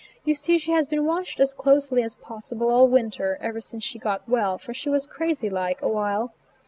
You see she has been watched as closely as possible all winter, ever since she got well, for she was crazy like, awhile.